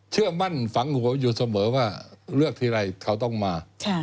เชื่อมั่นฝังหัวอยู่เสมอว่าเลือกทีไรเขาต้องมา